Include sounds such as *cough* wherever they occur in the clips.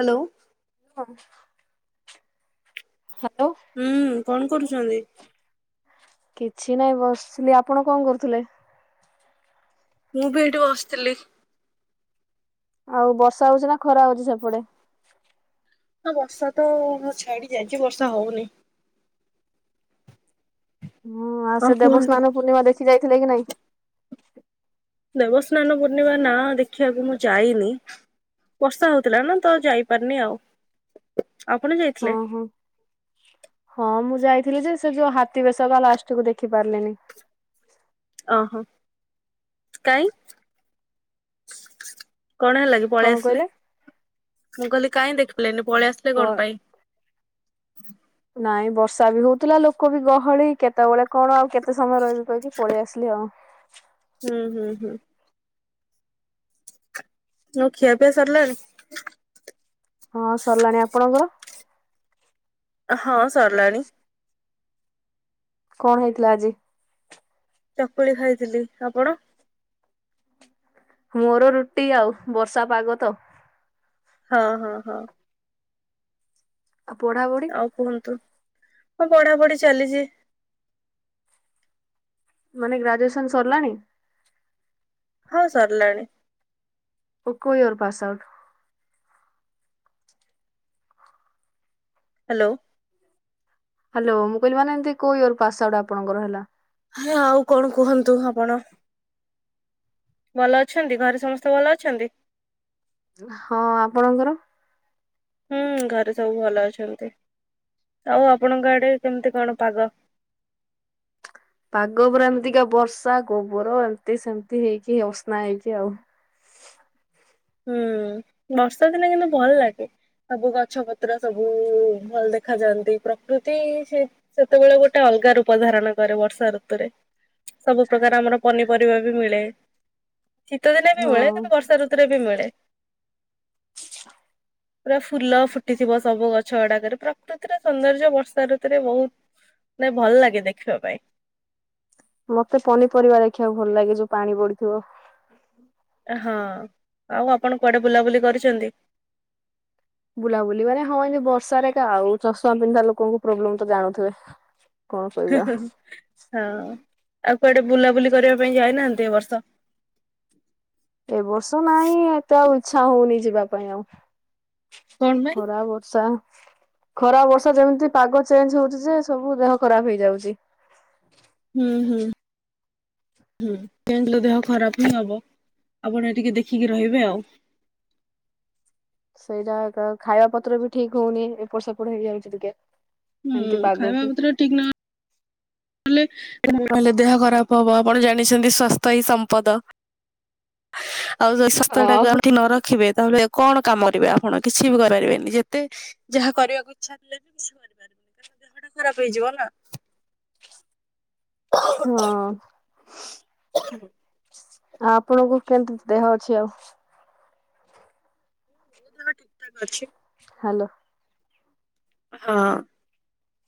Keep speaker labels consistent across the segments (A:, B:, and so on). A: Hello
B: ହଁ hello
A: ଉଁ କଣ କରୁଛନ୍ତି?
B: କିଛି ନାଇଁ ବସିଥିଲି ଆପଣ କଣ କରୁଥିଲେ?
A: ମୁଁ ବି ଏଇଠି ବସିଥିଲି।
B: ଆଉ ବର୍ଷା ହଉଛି ନା ଖରା ହଉଛି ସେପଟେ?
A: ହଁ ବର୍ଷା ତ ଛାଡିଯାଇଚି ବର୍ଷା ହଉନି।
B: ଉଁ ଆଉ
A: ହଁ
B: ସେ
A: କୁହନ୍ତୁ।
B: ଦେବସ୍ନାନ ପୂର୍ଣ୍ଣିମା ଦେଖିଯାଇଥିଲେ କି ନାଇଁ?
A: ଦେବସ୍ନାନ ପୂର୍ଣ୍ଣିମା ନା ଦେଖିଆକୁ ମୁଁ ଯାଇନି। ବର୍ଷା ହଉଥିଲା ନା ତ ଯାଇପାରିନି ଆଉ ଆପଣ
B: ହଁ
A: ଯାଇଥିଲେ?
B: ହଁ ହଁ ମୁଁ ଯାଇଥିଲି ଯେ ସେ ଯୋଉ ହାତୀ ବେଶ ବା ଲାଷ୍ଟକୁୁ ଦେଖିପାରିଲିନି।
A: ଅ ହ କାଇଁ କଣ ହେଲା କି?
B: କଣ
A: ପଳେଇ ଆସିଲେ
B: କହିଲେ?
A: ମୁଁ କହିଲି କାଇଁ ଦେଖିପାଲେନି ପଳେଇ
B: ବ
A: ଆସିଲେ କଣ ପାଇଁ?
B: ନାଇଁ ବର୍ଷା ବି ହଉଥିଲା ଲୋକ ବି ଗହଳି କେତବଳେ କଣ ଆଉ କେତେ ସମୟ ରହିବି? କି ପଳେଇ ଆସିଲି ଆଉ।
A: ହୁଁ ହୁଁ ହୁଁ ଆଉ ଖିଆପିଆ ସରିଲାଣି?
B: ହଁ ସରିଲାଣି ଆପଣଙ୍କର?
A: ହଁ ସିରିଲାଣି
B: କଣ ହେଇଥିଲା ଆଜି?
A: ଚକୁଳି ଖାଇଥିଲି ଆପଣ?
B: ମୋର ରୁଟି ଆଉ ବର୍ଷା ପାଗ ତ।
A: ହଁ ହଁ ହଁ।
B: ଆ ପଢା ପ *unintelligible*
A: ଆଉ କୁହନ୍ତୁ ହଁ ପଢା ପଢି ଚାଲିଚି।
B: ମାନେ ଗ୍ରାଜୁଏସନ ସରିଲାଣି?
A: ହଁ ସରିଲାଣି।
B: ଓ କୋଉ year pass out?
A: Hello.
B: Hello ମୁଁ କହିଲି ମାନେ ଏମତି କୋଉ ଇୟର ପାସ ଆଉଟ୍ ଆପଣଙ୍କର ହେଲା।?
A: ହଁ ଆଉ କଣ କୁହନ୍ତୁ ଆପଣ? ଭଲ ଅଛନ୍ତି ଘରେ ସମସ୍ତେ ଭଲ ଅଛନ୍ତି?
B: ହଁ ଆପଣଙ୍କର?
A: ହୁଁ ଘରେ ସବୁ ଭଲ ଅଛନ୍ତି ଆଉ ଆପଣଙ୍କ ଆଡେ କେମିତି କଣ ପାଗ?
B: ପାଗ ପୁରା ଏମିତିକା ବର୍ଷା ଗୋବର ଏମତି ସେମତି ହେଇକି ଅସ୍ନା ହେଇକି ଆଉ।
A: ହୁଁ ବର୍ଷା ଦିନେ କିନ୍ତୁ ଭଲ ଲାଗେ। ସବୁ ଗଛ ପତ୍ର ସବୁ ଭଲ ଦେଖା ଯାଆନ୍ତି ପ୍ରକୃତି ସେ ସେତେବେଳେ ଗୋଟେ ଅଲଗା ରୂପ ଧାରଣ କରେ ବର୍ଷା ଋତୁରେ। ସବୁ ପ୍ରକାର ଆମର ପନିପରିବା ବି ମିଳେ। ଶୀତ ଦିନେ ବି
B: ହଁ
A: ମିଳେ କିନ୍ତୁ ବର୍ଷା ଋତୁରେ ବି ମିଳେ।
B: *inaudible*
A: ପୁରା ଫୁଲ ଫୁଟିଥିବ ସବୁ ଗଛ ଗୁଡାକରେ, ପ୍ରକୃତିର ସୌନ୍ଦର୍ଯ୍ୟ ବର୍ଷା ଋତୁରେ ବହୁତ ନାଇ ଭଲ ଲାଗେ ଦେଖିବା ପାଇଁ।
B: ମତେ ପନିପରିବା ଦେଖିବାକୁ ଭଲ ଲାଗେ ଯୋଉ ପାଣି ପଡିଥିବ। *inaudible*
A: ହଁ, ଆଉ ଆପଣ କୁଆଡେ ବୁଲାବୁଲି କରିଚନ୍ତି?
B: ବୁଲାବୁଲି ମାନେ ହଁ ଏମତି ବର୍ଷାରେ ଏକା ଆଉ ଚଷମା ପିନ୍ଧା ଲୋକଙ୍କୁ ପ୍ରୋବ୍ଲେମ ତ ଜାଣୁଥିବେ? କଣ
A: ହଁ,
B: କହିବା
A: ଆଉ କୁଆଡେ ବୁଲାବୁଲି କରିବା ପାଇଁ ଯାଇନାହାନ୍ତି ଏ ବର୍ଷ।
B: ଏ ବର୍ଷ ନାହିଁ ଏତେ ଆଉ ଇଛା ହଉନି ଯିବା ପାଇଁ ଆଉ।
A: କଣ ପାଇଁ?
B: ଖରା ବର୍ଷା। ଖରା ବର୍ଷା ଯେମିତି ପାଗ ଚେଞ୍ଜ ହଉଚି ଯେ, ସବୁ ଦେହ ଖରାପ ହେଇଯାଉଚି।
A: ହୁଁ ହୁଁ। ହୁଁ *unintelligible* ଦେହ ଖରାପ ହିଁ ହବ, ଆପଣ ଟିକେ ଦେଖିକି ରହିବେ ଆଉ।
B: ସେଇଟା ଏକା ଖାଇବା ପତ୍ର ବି ଠିକ ହଉନି, ଏପଟ ସେପଟ ହେଇଯାଉଚି ଟିକେ।
A: ହୁଁ,
B: ଏମିତି
A: ଖାଇବା
B: ପାଗକୁ
A: ପତ୍ର ଠିକ ନହେ ଲେ ନହେଲେ ଦେହ ଖରାପ ହବ, ଆପଣ ଜାଣିଛନ୍ତି ସ୍ୱାସ୍ଥ୍ୟ ହିଁ ସମ୍ପଦ। ଆଉ ଯଦି ସ୍ୱାସ୍ଥ୍ୟ
B: ଅ
A: ଟା *unintelligible* ନ ରଖିବେ। ତାହେଲେ କଣ କାମ କରିବେ ଆପଣ, କିଛି ବି କରିପାରିବେନି, ଯେତେ ଯାହା କରିବାକୁ ଇଛା ଥିଲେ ବି, କିଛି କରିପାରିବେନି, କାରଣ -ଦେହଟା ଖରାପ ହେଇଯିବ ନା। ମୋ
B: ହଁ। ଆପଣଙ୍କୁ କେମିତି ଦେହ ଅଛି ଆଉ?
A: ଠିକ ଠାକ ଅଛି।
B: ହାଲୋ।
A: ହଁ।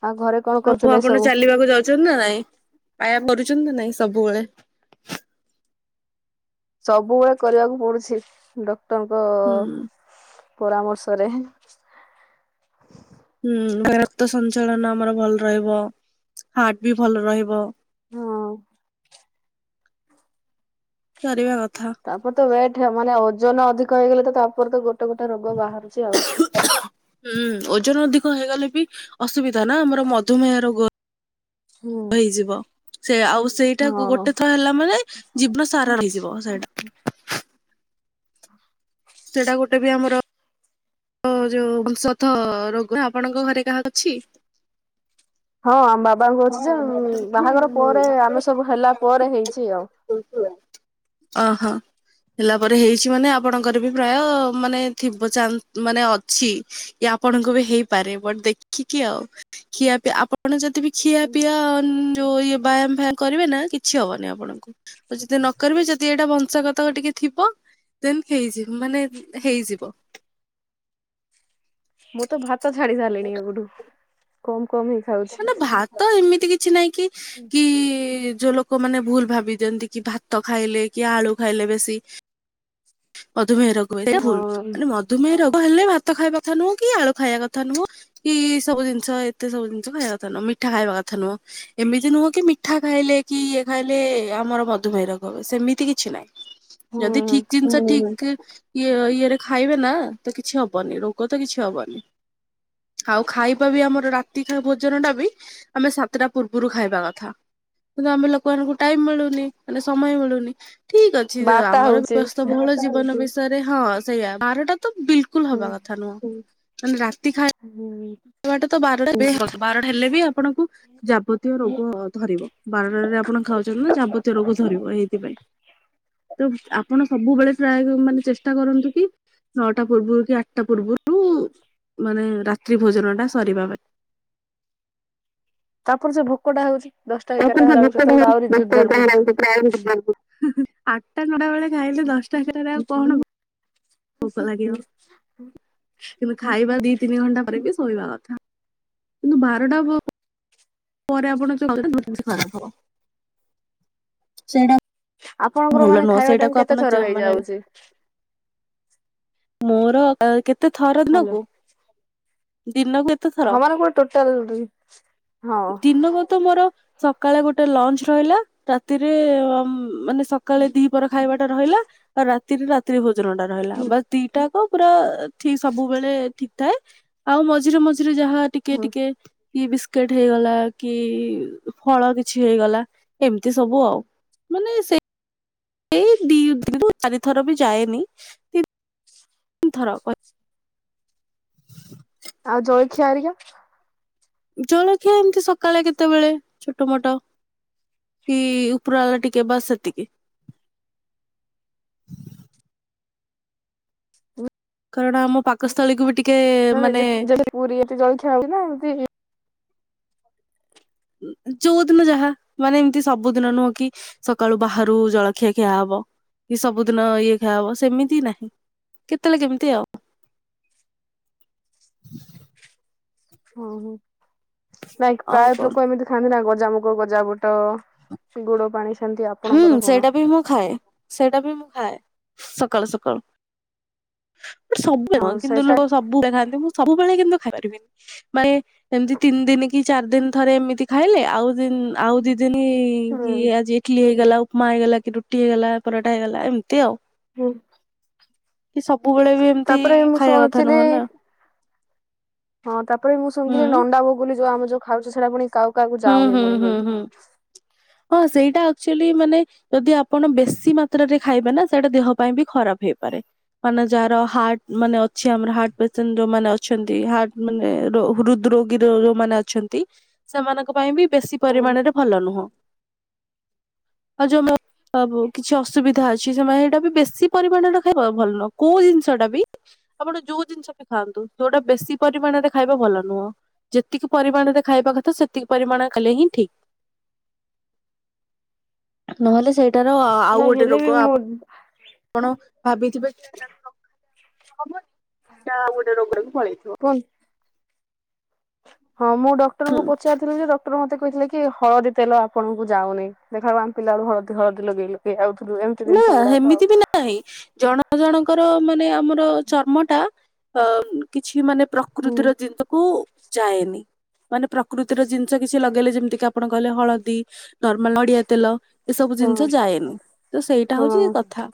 B: ଆଉ ଘରେ କଣ
A: ଆଉ
B: କରୁଥିଲେ ଏ
A: ଆପଣ
B: ସବୁ?
A: ଚାଲିବାକୁ ଯାଉଛନ୍ତି ନା ନାଇଁ, ବାୟାମ କରୁଛନ୍ତି ନା ନାଇଁ ସବୁବେଳେ।
B: ସବୁବେଳେ କରିବାକୁ ପଡୁଚି, ଡକ୍ଟରଙ୍କ
A: ହୁଁ।
B: ପରାମର୍ଶରେ।
A: ହୁଁ, ରକ୍ତ ସଞ୍ଚାଳନ ଆମର ଭଲ ରହିବ, ହାର୍ଟ ବି ଭଲ ରହିବ।
B: ହଁ ଅଁ।
A: କରିବା କଥା।
B: ତାପରେ ତ ୱେଟ ମାନେ ଓଜନ ଅଧିକ ହେଇଗଲେ ତ, ତାପରେ ତ ଗୋଟେ ଗୋଟେ ରୋଗ ବାହାରୁଛି ଆଉ।
A: ହୁଁ ଓଜନ ଅଧିକ ହେଇଗଲେ ବି ଅସୁବିଧା ନା, ଆମର ମଧୁମେହ ରୋଗ
B: ହୁଁ ଉଁ।
A: ହେଇଯିବ, ସେ ଆଉ ସେଇଟା ଗୋଟେ ଥର ହେଲା ମାନେ ଜୀବନ ସାରା ରହିଯିବ ସେଇଟା। ସେଇଟା ଗୋଟେ ବି ଆମର ତ ଯୋଉ ବଂଶଗତ ରୋଗ, ଆପଣଙ୍କ ଘରେ କାହାକୁ ଅଛି?
B: ହଁ ଆମ ବାବାଙ୍କୁ
A: ହଁ
B: ଅଛି ଯେ, ବାହାଘର ପରେ
A: ବାବା।
B: ଆମେ ସବୁ ହେଲା ପରେ ହେଇଛି ଆଉ। *inaudible*
A: ଅହୋ। ହେଲା ପରେ ହେଇଛି ମାନେ, ଆପଣଙ୍କର ବି ପ୍ରାୟ ମାନେ ଥିବ ଚାନ୍ସ ମାନେ ଅଛି। ଆପଣଙ୍କୁ ବି ହେଇପାରେ ବଟ ଦେଖିକି ଆଉ କିିଆ ବି ଆପଣ ଯଦି ବି ଖିଆପିଆ ଯୋଉ ଇଏ ବ୍ୟାୟାମ ଫାମ କରିବେ ନା କିଛି ହବନି ଆପଣଙ୍କୁ, ଆଉ ଯଦି ନ କରିବେ ଯଦି ଏଇଟା ବଂଶଗ ଟିକେ ଥିବ, ଦେନ୍ ହେଇଯିବ, ମାନେ ହେଇଯିବ।
B: ମୁଁ ତ ଭାତ ଛାଡି ସାରିଲିଣି ଏବେଠୁ, କମ କମ ହି
A: ନା ନା ଭାତ ଏମିତି କିଛି ନାଇଁ କି, କି ଯୋଉ ଲୋକ ଲୋକମାନେ ଭୁଲ ଭାବି ଦିଅନ୍ତି କି, ଭାତ ଖାଇଲେ କି ଆଳୁ ଖାଇଲେ ବେଶୀ ମଧୁମେହ ରୋଗ ଭୁଲ,
B: ହଁ
A: ମାନେ ମଧୁମେହ ରୋଗ ହେଲେ ଭାତ ଖାଇବା କଥା ନୁହଁ କି, ଆଳୁ ଖାଇବା କଥା ନୁହଁ। କି ସବୁ ଜିନିଷ ଏତେ ସବୁ ଜିନିଷ ଖାଇବା କଥା ନୁହଁ, ମିଠା ଖାଇବା କଥା ନୁହଁ। ଏମିତି ନୁହଁ କି ମିଠା ଖାଇଲେ କି ଇଏ ଖାଇଲେ ଆମର ମଧୁମେହ ରୋଗ *unintelligible* ସେମିତି କିଛି ନାହିଁ। ଯଦି
B: ହଁ
A: ଠିକ୍ ଜି ଯଦି ଠିକ୍ ଇଏ ଇଏରେ ଖାଇବେ ନା ତ କିଛି ହବନି ରୋଗ ତ କିଛି ହବନି। ଆଉ ଖାଇବା ବି ଆମର ରାତି ଭୋଜନ ଟା ବି ଆମେ ସାତଟା ପୂର୍ବରୁ ଖାଇବା କଥା। କିନ୍ତୁ ଆମେ ଲୋକମାନଙ୍କୁ ଟାଇମ୍ ମିଳୁନି ମାନେ ସମୟ ମିଳୁନି, ଠିକ ଅଛି
B: ବାତା
A: ଆମର
B: ହଉଛି।
A: ବ୍ୟସ ବହୁଳ ଜୀବନ ବିଷୟରେ ହଁ ସେଇଆ ବାରଟା ତ ବିଲକୁଲ୍ ହବା କଥା ନୁହଁ, ମାନେ ରାତି ଖାଇ
B: *inaudible*
A: *unintelligible* ବାରଟା ହେଲେ ବି ଆପଣଙ୍କୁ ଯାବତୀୟ ରୋଗ ଧରିବ, ବାରଟାରେ ଆପଣ ଖାଉଛନ୍ତି ନା ଯାବତୀୟ ରୋଗ ଧରିବ ଏଇଥିପାଇଁ। ତ ଆପଣ ସବୁବେଳେ ଟ୍ରାଏ ମାନେ ଚେଷ୍ଟା କରନ୍ତୁ କି ନଅଟା ପୂର୍ବୁରୁ କି ଆଠଟା ପୂର୍ବୁରୁ ମାନେ ରାତ୍ରି ଭୋଜନଟା ସରିବା ପାଇଁ।
B: ତାପରେ ଯୋଉ ଭୋକଟା ହଉଛି ଦଶଟା
A: ଆଉ
B: ଏଗାରଟା ହେଲା ବେଳକୁ
A: ଭୋକ
B: ସେତେବେଳେ ଆହୁରି ଜୋରଯାର୍ ଭୋକ।
A: ଆଠଟା ନଅଟା ବେଳେ ଖାଇଲେ ଦଶଟା ଏଗାରଟା ରେ ଆଉ କଣ ଭୋ ଭୋକ ଲାଗିବ, କିନ୍ତୁ ଖାଇବା ଦି ତିନି ଘଣ୍ଟା ପରେ ହିଁ ଶୋଇବା କଥା। କିନ୍ତୁ ବାରଟା ପ ପରେ ଆପଣଙ୍କ ଯୋଉ *unintelligible* ଖରାପ ହବ।
B: ଆପଣଙ୍କର
A: ଭଲ
B: ମାନେ
A: ନୁହଁ
B: ଖାଇବା ଟାଇମ
A: ସେଇଟାକୁ
B: କେତେ
A: ଆପଣ ଯ
B: ଥର
A: ମାନେ
B: ହେଇଯାଉଛି?
A: ମୋର କେତେ ଥର
B: ହ୍ୟାଲୋ
A: ଦିନକୁ-ଦିନକୁ କେତେଥର,
B: ହଁ ମାନେ ପୁରା ଟୋଟାଲ ହଁ
A: ଦିନକୁ ତ ମୋର ସକାଳେ ଗୋଟେ ଲଞ୍ଚ ରହିଲା ରାତିରେ ମାନେ ସକାଳେ ଦିପହର ଖାଇବା ରହିଲା ଆଉ ରାତିରେ ରାତ୍ରି ଭୋଜନ ଟା ରହିଲା,
B: ହୁଁ
A: ବାସ୍ ଦିଟାକ ପୁରା ଠିକ୍ ସବୁବେଳେ ଠିକ୍ ଥାଏ, ଆଉ ମଝିରେ-ମଝିରେ ଯାହା
B: ହୁଁ
A: ଟିକେ-ଟିକେ ଟି ବିସ୍କିଟ୍ ହେଇଗଲା କି ଫଳ କିଛି ହେଇଗଲା ଏମ୍ତି ସବୁ ଆଉ। ମାନେ ସେଇ ଏଇ ଦିରୁ ଚାରିଥର ବି ଯାଏନି। ତିନି ଥର
B: ଆଉ ଜଳିଖିଆ ହେରିକା?
A: ଜଳଖିଆ ଏମିତି ସକାଳେ କେତେବେଳେ ଛୋଟ ମୋଟ କି ଉପରଆଲା ଟିକେ ବାସ୍ ସେତିକି। କାରଣ ଆମ ପାକସ୍ଥଳୀକୁ ବି ଟି
B: ଯେମିତି ପୁରୀ ଏମିତି ଜଳଖିଆ ହଉଛି ନା *unintelligible*
A: ଯୋଉଦିନ ଯାହା ମାନେ ଏମିତି ସବୁଦିନ ନୁହଁ କି? ସକାଳୁ ବାହାରୁ ଜଳଖିଆ ଖିଆ ହବ, କି ସବୁଦିନ ଇଏ ଖିଆହବ ସେମିତି ନାହିଁ। କେତେଳେ କେମ୍ତି ଆଉ।
B: *unintelligible* ପ୍ରାୟ
A: ଆଉ କଣ
B: ଲୋକ ଏମିତି ଖାଆନ୍ତି ନା ଗଜାମୁଗ, ଗଜା ବୁଟ, ଗୁଡ ପାଣି ସେମିତି
A: ହୁଁ
B: ଆପଣଙ୍କର କଣ?
A: ସେଇଟା ବି ମୁଁ ଖାଏ ସେଇଟା ବି ମୁଁ ଖାଏ ସକାଳୁ-ସକାଳୁ। ବଟ୍ ସବୁବେଳେ
B: ହଁ
A: ନୁହଁ, କିନ୍ତୁ
B: ସେଇଟା
A: ଲୋକ ସବୁବେଳେ ଖାଆନ୍ତି ମୁଁ ସବୁବେଳେ କିନ୍ତୁ ଖାଇପାରିବିନି। ମାନେ ଏମ୍ତି ତିନି ଦିନ କି ଚାରି ଦିନ ଥରେ ଏମିତି ଖାଇଲେ ଆଉ ଦିନ୍ ଆଉ ଦି ଦିନ
B: ହୁଁ
A: କି ଆଜି ଇଟିଲି ହେଇଗଲା, ଉପମା ହେଇଗଲା କି ରୁଟି ହେଇଗଲା ପରଟା ହେଇଗଲା ଏମ୍ତି ଆଉ।
B: ହୁଁ।
A: କି ସବୁବେଳେ ବି ଏମ୍ତି
B: ତାପରେ ମୁଁ
A: ଖାଇବା କଥା
B: ଶୁଣୁଥିଲି
A: ନୁହଁ ନା।
B: ହଁ ତାପରେ ମୁଁ ଶୁଣିଥିଲି
A: ହୁଁ।
B: ନଣ୍ଡା ବଗୁଲି ଯୋଉ ଆମେ ଯୋଉ ଖାଉଛେ ସେଟା ପୁଣି କାଉ
A: ହୁଁ-ହୁଁ-ହୁଁ-ହୁଁ ହଁ ସେଇଟା ଆକ୍ଚଲି ମାନେ ଯଦି ଆପଣ ବେଶୀ ମାତ୍ରାରେ ଖାଇବେ ନା ସେଇଟା ଦେହ ପାଇଁ ବି ଖରାପ୍ ହେଇପାରେ। ମାନେ ଯାହାର ହାର୍ଟ ମାନେ ଅଛି ଆମର ହାର୍ଟ ପେସେଣ୍ଟ ଯୋଉମାନୋନେ ଅଛନ୍ତି ହାର୍ଟ ମାନେ ହୃଦ ରୋ ଗିର ଯୋଉମାନେ ଅଛନ୍ତି ସେମାନଙ୍କ ପାଇଁ ବି ବେଶୀ
B: ହୁଁ
A: ପରିମାଣରେ ଭଲ ନୁହଁ। ଆଉ ଯୋଉ ମୋ। ଆବୁ କିଛି ଅସୁବିଧା ଅଛି ସେମାନେ ସେଇଟା ବି ବେଶୀ ପରିମାଣରେ ଖାଇବା ଭଲ ନହଁ କୋଉ ଜିନିଷ ଟା ବି। ଆପଣ ଯୋଉ ଜିନିଷ ବି ଖାଆନ୍ତୁ ଯୋଉଟା ବେଶୀ ପରିମାଣରେ ଖାଇବା ଭଲ ନୁହଁ। ଯେତିକି ପରିମାଣରେ ଖାଇବା କଥା ସେତ ସେତିକି ପରିମାଣରେ ଖାଇଲେ ହିଁ ଠିକ ନହେଲେ ସେ ଟାର ଆଉ
B: ନା
A: ଗୋଟେ
B: ହେଲେ ବି
A: ରୋଗ
B: ମୁଁ
A: ଆପ ଆପଣ ଭାବିଥିବେ *inaudible* ହବନି ସେଇଟା ଆଉ ଗୋଟେ ରୋଗ‌ ହେଇ ପଳେଇଥିବ।
B: କୁଅନ୍ ହଁ ମୁଁ ଡକ୍ଟର
A: ହୁଁ,
B: ଙ୍କୁ ପ ପଚାରିଥିଲି ଯେ ଡକ୍ଟର ମତେ କହିଥିଲେ କି ହଳଦୀ ତେଲ ଆପଣଙ୍କୁ ଯାଉନି ଦେଖିଲା ବେଳୁ ଆମ ବେଳୁ ହଳଦୀ ହଳଦୀ ଲଗେଇ ଲ ଗେଇ ଆଉଥିରୁ ଏମିତି ଜିନିଷ ଗୁଡାକ ଆଉ।
A: ହେଇ ଜଣ ଜଣଙ୍କର ମାନେ ଆମର ଚର୍ମ ଟା। ଅ କିଛି ମାନେ
B: ହୁଁ
A: ପ୍ରକୃତିର ଜିନିଷକୁ ଯାଏନି। ମାନେ ପ୍ରକୃତିର ଜିନିଷ କିଛି ଲଗେଇଲେ ଯେମିତି କି ଆପଣ କହିଲେ ହଳଦୀ ନର୍ମାଲ ନଡିଆ ତେଲ। ଏସବୁ ଜିନିଷ
B: ହଁ
A: ଯାଏନି ତ ସେଇଟା ହଉଛି
B: ହଁ
A: କଥା।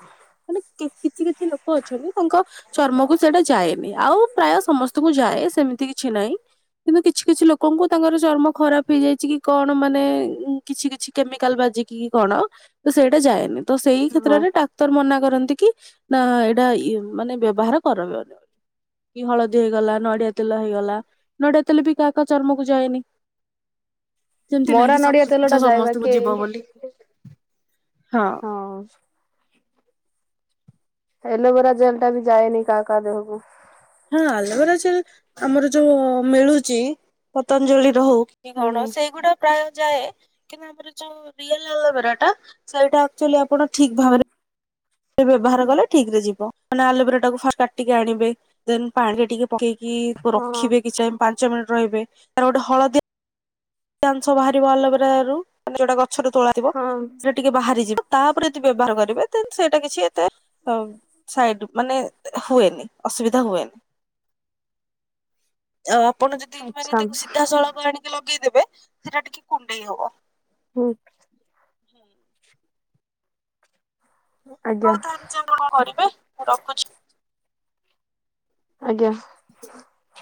A: ମାନେ କିଛି କିଛି ଲୋକ ଅଛନ୍ତି ତାଙ୍କ। ଚର୍ମକୁ ସେଇଟା ଯାଏନି ଆଉ ପ୍ରାୟ ସମସ୍ତଙ୍କୁ ଯାଏ ସେମିତି କିଛି ନାହିଁ। କିନ୍ତୁ କିଛି କିଛି ଲୋକଙ୍କୁ ତାଙ୍କର ଚର୍ମ ଖରାପ ହେଇଯାଇଛି କି କଣ ମାନେ। କିଛି କିଛି କେମିକାଲ ବାଜିକି କି କଣ ତ ସେଇଟା ଯାଏନି ତ ସେଇ
B: ହଁ
A: କ୍ଷେତ୍ରରେ ଡା କ୍ତର ମନା କରନ୍ତି କି ନା ଏଇଟା ମାନେ ବ୍ୟବହାର କରବନି ବୋଲି। କି ହଳଦୀ ହେଇଗଲା ନଡିଆ ତେଲ ହେଇଗଲା ନଡିଆ ତେଲ ବି କାହା କାହା ଚର୍ମକୁ ଯାଏନି। ଯେମିତି ନାଇଁ
B: ମରା
A: କି
B: ନଡିଆ
A: ସବୁ
B: ତେଲ
A: ଜିନିଷ
B: ଟା ଯାଇବା
A: ସମସ୍ତଙ୍କୁ
B: ବାକି
A: ଯିବ ବୋଲି
B: ଏ ହଁ। ଏଲୋବେରା ଜେଲ ଟା ବି ଯାନି କାହା କାହା ଦେହକୁ।
A: ହଁ ଆଲବେରା ଜେଲ୍ ଆମର ଯୋଉ ମିଳୁଛି ପତଞ୍ଜଳିର ହଉ। କି କଣ
B: ହୁଁ
A: ସେଇଗୁଡା ପ୍ରାୟ ଯାଏ କିନ୍ତୁ ଆମର ଯୋଉ ରିଏଲ୍ ଆଲୋବେରା ଟା। ସେଇଟା ଆକଚୁଆଲି ଆପଣ ଠିକ
B: ହୁଁ
A: ଭାବରେ। ବ୍ୟବହାର କଲେ ଠିକରେ ଯିବ ମାନେ ଆଲୋଭେରା ଟାକୁ ଫାଷ୍ଟ କାଟିକି ଆଣିବେ ଦେନ ପାଣି ରେ ଟିକେ। ପକେଇକି
B: ହଁ
A: ରଖିବେ କିଛି ସମୟ ପାଞ୍ଚ ମିନିଟ ରହିବେ ତାର ଗୋଟେ ହଳଦିଆ। ଅଂସ ବାହାରିବ ଆଲୋଭେରାରୁ ମାନେ ଯୋଉଟା ଗଛରୁ ତୋଳା ହେଇଥିବ
B: ହଁ
A: ସେ ଟିକେ ବାହାରି ଯିବ ତା ଉପରେ ଯଦି ବ୍ୟବହାର କରିବେ ଦେନ୍ ସେଇଟା କିଛି ଏତେ। ସାଇଡ ମାନେ ହୁଏନି ଅସୁବିଧା ହୁଏନି।
B: *inaudible*
A: ଆ ଆପଣ ଯଦି ମାନେ
B: ଆଚ୍ଛା
A: ତାକୁ ସିଧାସଳଖ ଆଣିକି ଲଗେଇଦେବେ ସେଟା ଟିକେ କୁଣ୍ଡେଇ ହବ।
B: ହୁଁ। ଆଜ୍ଞା।
A: ହଉ ତାହେଲେ ଯାଅ କଣ କରିବେ ମୁଁ ରଖୁଛି।
B: ଆଜ୍ଞା।
A: *inaudible*